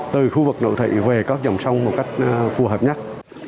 từ khu vực nội thị về các dòng sông một cách phù hợp nhất